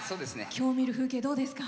今日、見る風景どうですか？